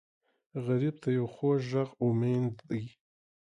غریب ته یو خوږ غږ امید دی